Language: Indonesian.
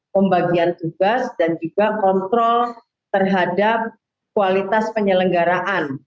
pembagian tugas dan juga kontrol terhadap kualitas penyelenggaraan